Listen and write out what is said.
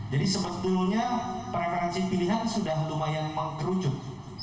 jadi sebetulnya preferensi pilihan sudah lumayan mengerucut